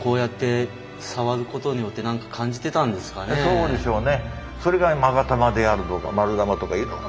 そうでしょうね。